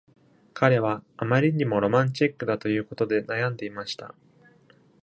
彼は、あまりにもロマンチックだということで悩んでいました。